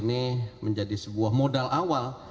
ini menjadi sebuah modal awal